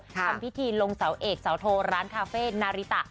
ทำพิธีลงเสาเอกเสาโทร้านคาเฟ่นาริตะ